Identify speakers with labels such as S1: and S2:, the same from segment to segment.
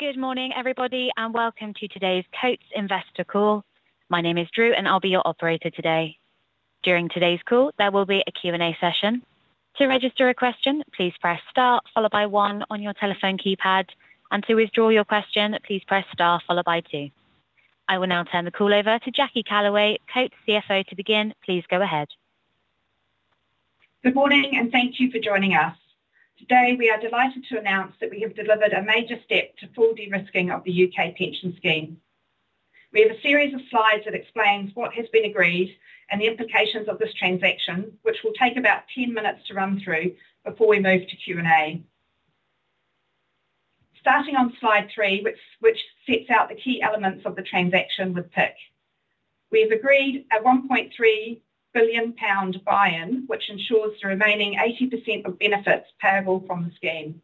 S1: Good morning, everybody, and welcome to today's Coats Investor Call. My name is Drew, and I'll be your operator today. During today's call, there will be a Q&A session. To register a question, please press star followed by one on your telephone keypad, and to withdraw your question, please press star followed by two. I will now turn the call over to Jackie Callaway, Coats CFO, to begin. Please go ahead.
S2: Good morning, and thank you for joining us. Today, we are delighted to announce that we have delivered a major step to full de-risking of the U.K. pension scheme. We have a series of slides that explains what has been agreed and the implications of this transaction, which will take about ten minutes to run through before we move to Q&A. Starting on slide three, which sets out the key elements of the transaction with PIC. We have agreed a 1.3 billion pound buy-in, which ensures the remaining 80% of benefits payable from the scheme.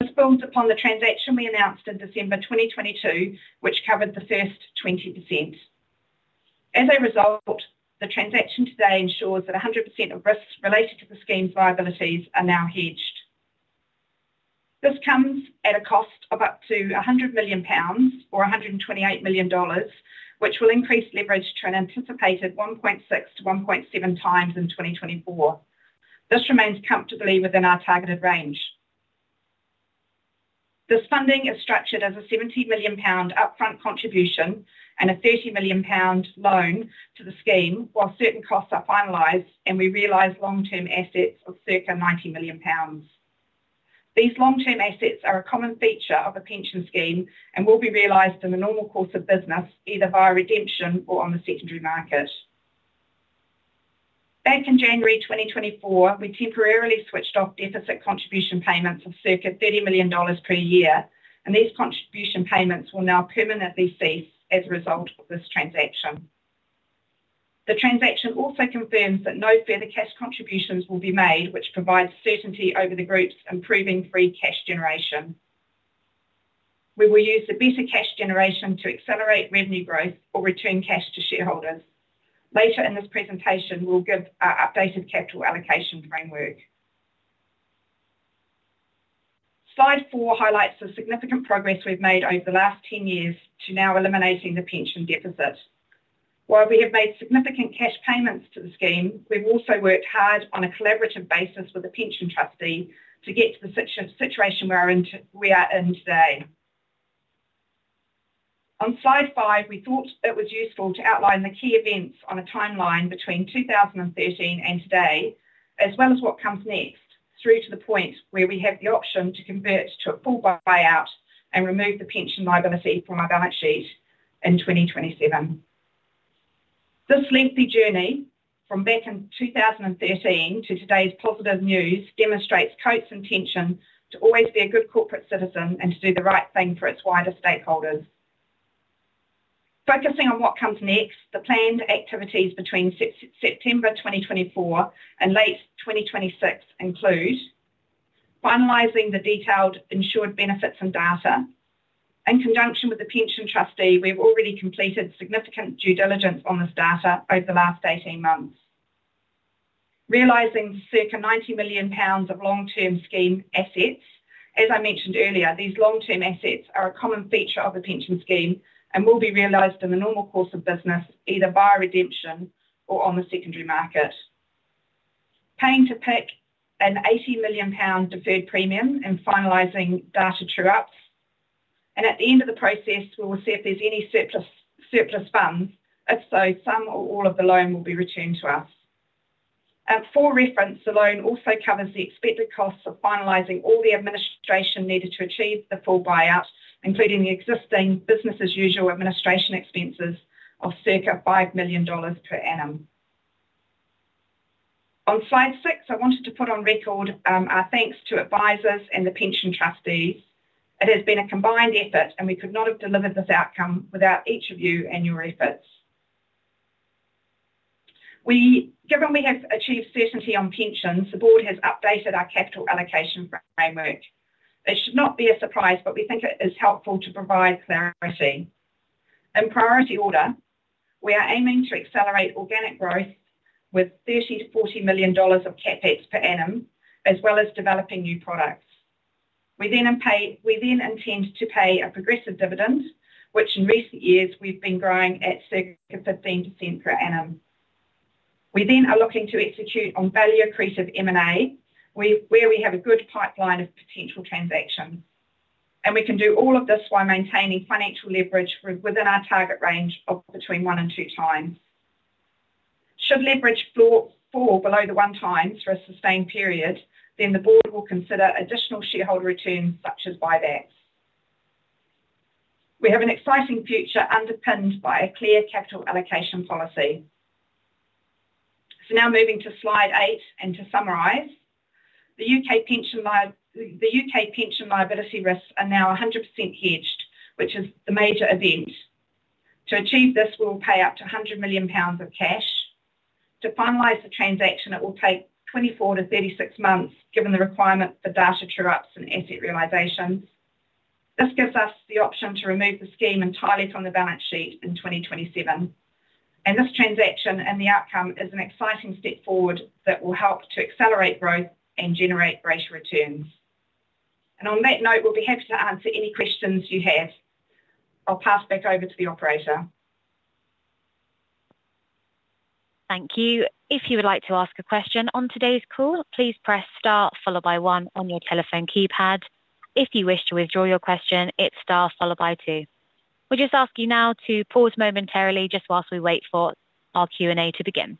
S2: This builds upon the transaction we announced in December 2022, which covered the first 20%. As a result, the transaction today ensures that 100% of risks related to the scheme's liabilities are now hedged. This comes at a cost of up to 100 million pounds, or $128 million, which will increase leverage to an anticipated 1.6x-1.7x in 2024. This remains comfortably within our targeted range. This funding is structured as a 70 million pound upfront contribution and a 30 million pound loan to the scheme, while certain costs are finalized and we realize long-term assets of circa 90 million pounds. These long-term assets are a common feature of a pension scheme and will be realized in the normal course of business, either via redemption or on the secondary market. Back in January 2024, we temporarily switched off deficit contribution payments of circa $30 million per year, and these contribution payments will now permanently cease as a result of this transaction. The transaction also confirms that no further cash contributions will be made, which provides certainty over the group's improving free cash generation. We will use the better cash generation to accelerate revenue growth or return cash to shareholders. Later in this presentation, we'll give our updated capital allocation framework. Slide four highlights the significant progress we've made over the last ten years to now eliminating the pension deficit. While we have made significant cash payments to the scheme, we've also worked hard on a collaborative basis with the pension trustee to get to the situation we are in today. On slide five, we thought it was useful to outline the key events on a timeline between 2013 and today, as well as what comes next, through to the point where we have the option to convert to a full buy-in, buy-out and remove the pension liability from our balance sheet in 2027. This lengthy journey from back in 2013 to today's positive news demonstrates Coats' intention to always be a good corporate citizen and to do the right thing for its wider stakeholders. Focusing on what comes next, the planned activities between September 2024 and late 2026 include: finalizing the detailed insured benefits and data. In conjunction with the pension trustee, we've already completed significant due diligence on this data over the last eighteen months. Realizing circa 90 million pounds of long-term scheme assets. As I mentioned earlier, these long-term assets are a common feature of the pension scheme and will be realized in the normal course of business, either via redemption or on the secondary market. Paying to PIC a 80 million pound deferred premium and finalizing data true-ups, and at the end of the process, we will see if there's any surplus funds. If so, some or all of the loan will be returned to us. And for reference, the loan also covers the expected costs of finalizing all the administration needed to achieve the full buy-out, including the existing business-as-usual administration expenses of circa $5 million per annum. On slide six, I wanted to put on record our thanks to advisors and the pension trustees. It has been a combined effort, and we could not have delivered this outcome without each of you and your efforts. Given we have achieved certainty on pensions, the board has updated our capital allocation framework. It should not be a surprise, but we think it is helpful to provide clarity. In priority order, we are aiming to accelerate organic growth with $30 million-$40 million of CapEx per annum, as well as developing new products. We then intend to pay a progressive dividend, which in recent years we've been growing at circa 15% per annum. We then are looking to execute on value accretive M&A, where we have a good pipeline of potential transactions, and we can do all of this while maintaining financial leverage within our target range of between 1x and 2x. Should leverage fall below 1x for a sustained period, then the board will consider additional shareholder returns, such as buybacks. We have an exciting future underpinned by a clear capital allocation policy. So now moving to slide eight, and to summarize. The U.K. pension liability risks are now 100% hedged, which is the major event. To achieve this, we will pay up to 100 million pounds of cash. To finalize the transaction, it will take 24-36 months, given the requirement for data true-ups and asset realizations. This gives us the option to remove the scheme entirely from the balance sheet in 2027, and this transaction and the outcome is an exciting step forward that will help to accelerate growth and generate greater returns. And on that note, we'll be happy to answer any questions you have. I'll pass back over to the operator.
S1: Thank you. If you would like to ask a question on today's call, please press star followed by one on your telephone keypad. If you wish to withdraw your question, it's star followed by two. We'll just ask you now to pause momentarily just whilst we wait for our Q&A to begin.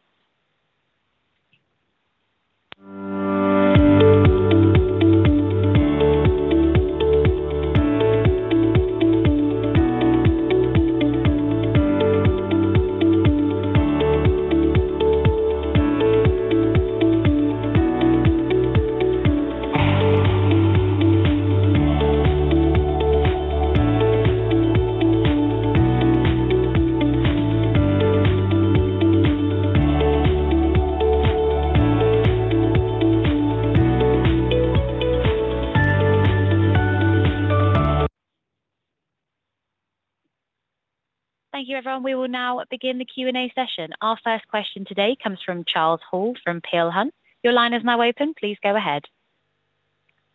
S1: Thank you, everyone. We will now begin the Q&A session. Our first question today comes from Charles Hall from Peel Hunt. Your line is now open. Please go ahead.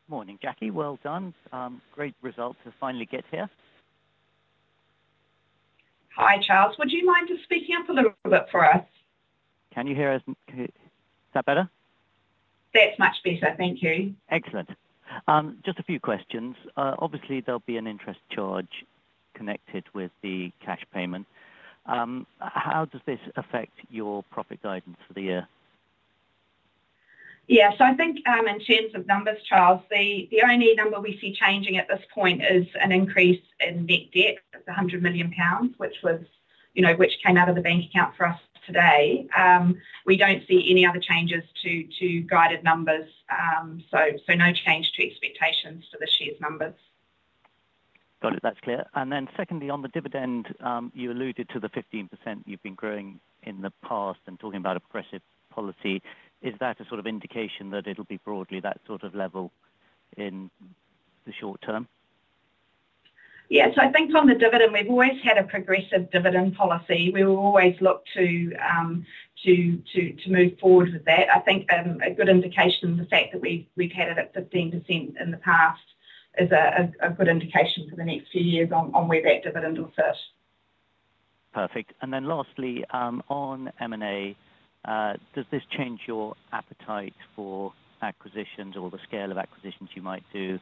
S3: Morning, Jackie. Well done. Great result to finally get here.
S2: Hi, Charles. Would you mind just speaking up a little bit for us?
S3: Can you hear us? Is that better?
S2: That's much better. Thank you.
S3: Excellent. Just a few questions. Obviously, there'll be an interest charge connected with the cash payment. How does this affect your profit guidance for the year?
S2: Yeah, so I think, in terms of numbers, Charles, the only number we see changing at this point is an increase in net debt of 100 million pounds, which was, you know, which came out of the bank account for us today. We don't see any other changes to guided numbers, so no change to expectations for this year's numbers.
S3: Got it. That's clear. And then secondly, on the dividend, you alluded to the 15% you've been growing in the past and talking about aggressive policy. Is that a sort of indication that it'll be broadly that sort of level in the short term?
S2: Yeah. So I think on the dividend, we've always had a progressive dividend policy. We will always look to move forward with that. I think a good indication, the fact that we've had it at 15% in the past is a good indication for the next few years on where that dividend will sit.
S3: Perfect. And then lastly, on M&A, does this change your appetite for acquisitions or the scale of acquisitions you might do,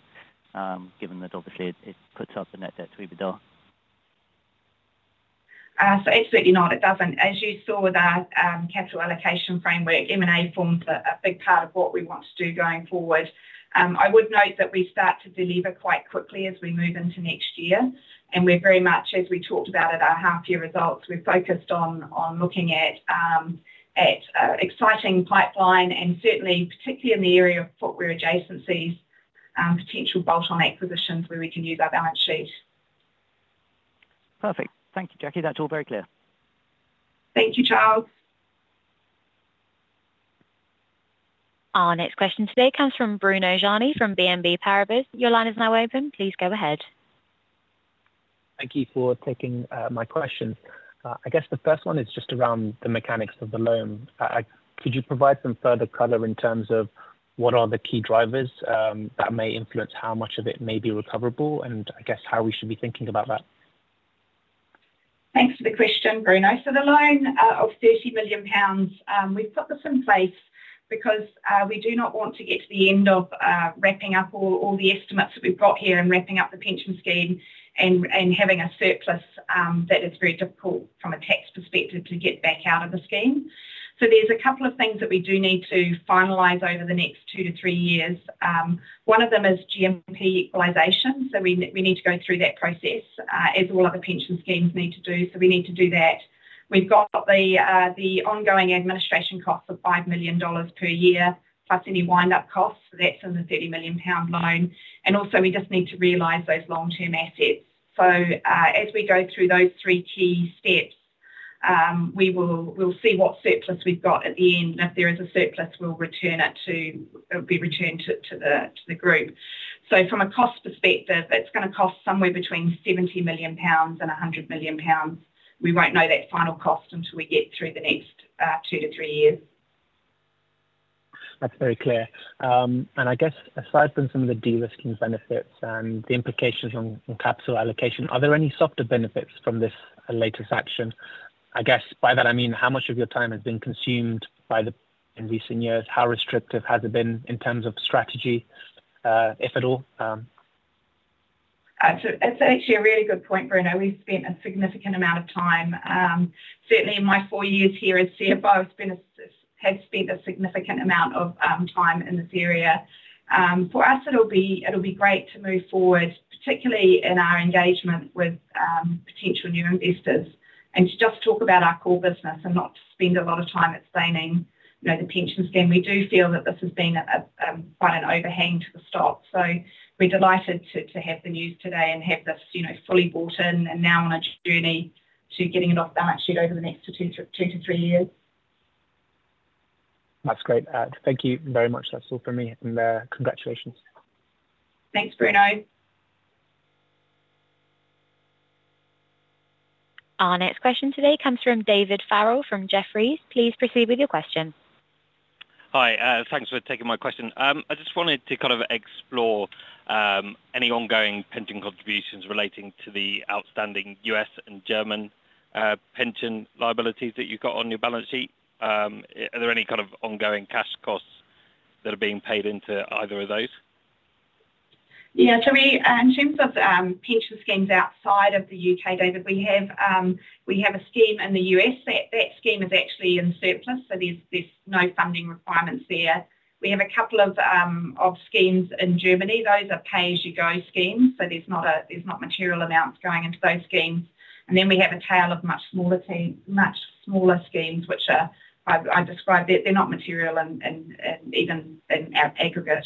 S3: given that obviously it puts up the net debt to EBITDA?
S2: So absolutely not. It doesn't. As you saw with our capital allocation framework, M&A forms a big part of what we want to do going forward. I would note that we start to deliver quite quickly as we move into next year, and we're very much as we talked about at our half-year results, we're focused on looking at exciting pipeline and certainly, particularly in the area of footwear adjacencies, potential bolt-on acquisitions where we can use our balance sheet.
S3: Perfect. Thank you, Jackie. That's all very clear.
S2: Thank you, Charles.
S1: Our next question today comes from Bruno Roumier from BNP Paribas. Your line is now open. Please go ahead.
S4: Thank you for taking my question. I guess the first one is just around the mechanics of the loan. Could you provide some further color in terms of what are the key drivers that may influence how much of it may be recoverable, and I guess how we should be thinking about that?
S2: Thanks for the question, Bruno. So the loan of 30 million pounds, we've put this in place because we do not want to get to the end of wrapping up all the estimates that we've got here and wrapping up the pension scheme and having a surplus that is very difficult from a tax perspective to get back out of the scheme. So there's a couple of things that we do need to finalize over the next two to three years. One of them is GMP equalization. So we need to go through that process as all other pension schemes need to do. So we need to do that. We've got the ongoing administration costs of $5 million per year, plus any wind-up costs. That's in the 30 million pound loan, and also, we just need to realize those long-term assets. As we go through those three key steps, we'll see what surplus we've got at the end. If there is a surplus, it'll be returned to the group. So from a cost perspective, it's gonna cost somewhere between 70 million pounds and 100 million pounds. We won't know that final cost until we get through the next, two to three years.
S4: That's very clear, and I guess aside from some of the de-risking benefits and the implications on capital allocation, are there any softer benefits from this latest action? I guess by that I mean, how much of your time has been consumed by the, in recent years, how restrictive has it been in terms of strategy, if at all?
S2: So it's actually a really good point, Bruno. We've spent a significant amount of time, certainly in my four years here as CFO, I've spent a significant amount of time in this area. For us, it'll be great to move forward, particularly in our engagement with potential new investors, and to just talk about our core business and not to spend a lot of time explaining, you know, the pension scheme. We do feel that this has been a quite an overhang to the stock. So we're delighted to have the news today and have this, you know, fully bought in and now on a journey to getting it off the balance sheet over the next two to three years.
S4: That's great. Thank you very much. That's all for me, and congratulations.
S2: Thanks, Bruno.
S1: Our next question today comes from David Farrell from Jefferies. Please proceed with your question.
S5: Hi, thanks for taking my question. I just wanted to kind of explore any ongoing pension contributions relating to the outstanding U.S. and German pension liabilities that you've got on your balance sheet. Are there any kind of ongoing cash costs that are being paid into either of those?
S2: Yeah, so we, in terms of, pension schemes outside of the U.K., David, we have, we have a scheme in the U.S. That scheme is actually in surplus, so there's no funding requirements there. We have a couple of schemes in Germany. Those are pay-as-you-go schemes, so there's not material amounts going into those schemes. And then we have a tail of much smaller schemes, which are, I described it, they're not material and even in our aggregate.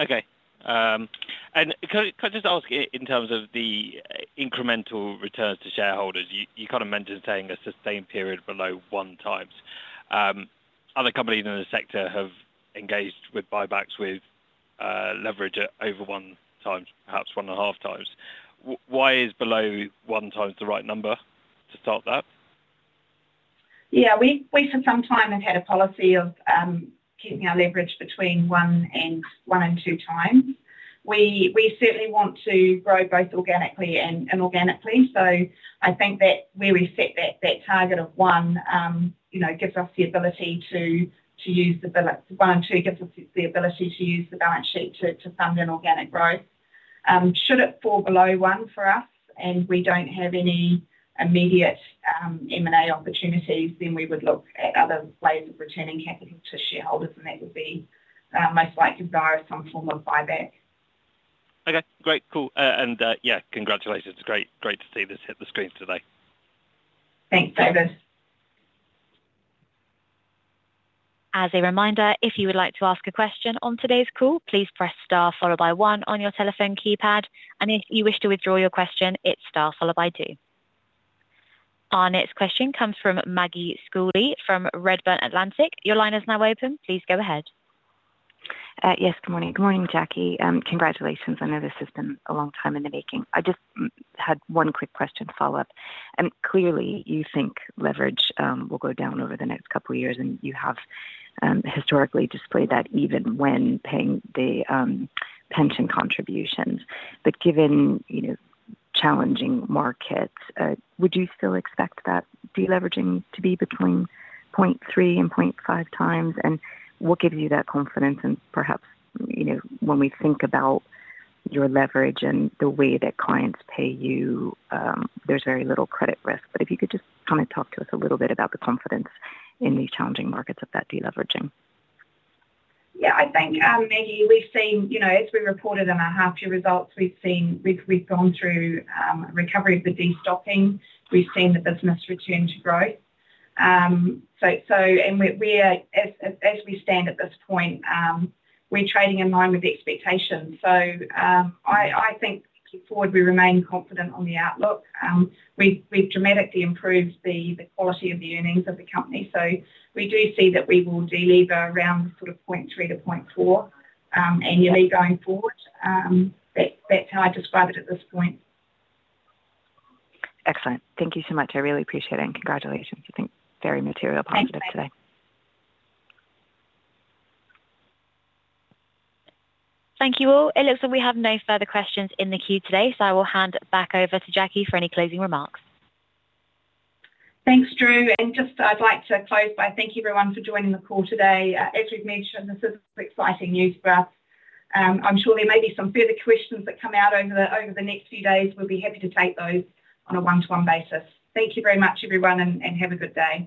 S5: Okay. And could I just ask in terms of the incremental returns to shareholders, you kind of mentioned saying a sustained period below 1x. Other companies in the sector have engaged with buybacks with leverage at over 1x, perhaps 1.5x. Why is below 1x the right number to start that?
S2: Yeah, we for some time have had a policy of keeping our leverage between 1x and 2x. We certainly want to grow both organically and inorganically. So I think that where we set that target of one, you know, gives us the ability to use the balance. 1x and 2x gives us the ability to use the balance sheet to fund inorganic growth. Should it fall below 1x for us and we don't have any immediate M&A opportunities, then we would look at other ways of returning capital to shareholders, and that would be most likely via some form of buy-back.
S5: Okay, great. Cool, and yeah, congratulations. Great, great to see this hit the screens today.
S2: Thanks, David.
S1: As a reminder, if you would like to ask a question on today's call, please press star followed by one on your telephone keypad, and if you wish to withdraw your question, it's star followed by two. Our next question comes from Maggie Schooley from Redburn Atlantic. Your line is now open. Please go ahead.
S6: Yes, good morning. Good morning, Jackie. Congratulations. I know this has been a long time in the making. I just had one quick question to follow up. And clearly, you think leverage will go down over the next couple of years, and you have historically displayed that even when paying the pension contributions. But given, you know, challenging markets, would you still expect that deleveraging to be between 0.3x and 0.5x? And what gives you that confidence? And perhaps, you know, when we think about your leverage and the way that clients pay you, there's very little credit risk. But if you could just kind of talk to us a little bit about the confidence in these challenging markets of that deleveraging.
S2: Yeah, I think, Maggie, we've seen, you know, as we reported in our half-year results, we've seen. We've gone through recovery of the destocking. We've seen the business return to growth. So and we are, as we stand at this point, we're trading in line with expectations. So, I think looking forward, we remain confident on the outlook. We've dramatically improved the quality of the earnings of the company. So we do see that we will delever around sort of 0.3 to 0.4 annually going forward. That, that's how I describe it at this point.
S6: Excellent. Thank you so much. I really appreciate it, and congratulations. I think very material positive today.
S2: Thanks, Maggie.
S1: Thank you all. It looks like we have no further questions in the queue today, so I will hand it back over to Jackie for any closing remarks.
S2: Thanks, Drew, and just I'd like to close by thank you everyone for joining the call today. As we've mentioned, this is exciting news for us. I'm sure there may be some further questions that come out over the next few days. We'll be happy to take those on a one-to-one basis. Thank you very much, everyone, and have a good day.